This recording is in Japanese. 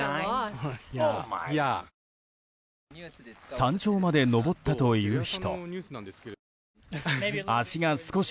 山頂まで登った人という人。